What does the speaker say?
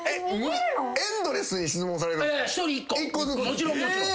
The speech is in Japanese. もちろんもちろん。